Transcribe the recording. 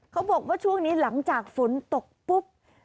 เขาบอกว่าช่วงนี้หลังจากฝนตกปุ๊บ